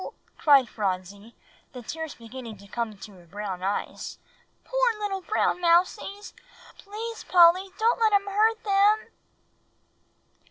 cried Phronsie, the tears beginning to come into her brown eyes; "poor little brown mousies. Please, Polly don't let him hurt them."